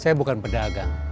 saya bukan pedagang